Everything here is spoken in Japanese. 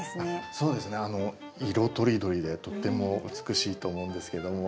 色とりどりでとっても美しいと思うんですけども。